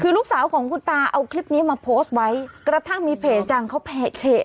คือลูกสาวของคุณตาเอาคลิปนี้มาโพสต์ไว้กระทั่งมีเพจดังเขาเฉะ